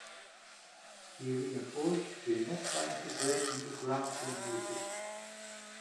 '" He reinforced, "We're not trying to break new ground in music.